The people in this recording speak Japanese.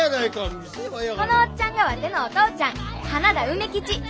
このおっちゃんがワテのお父ちゃん花田梅吉。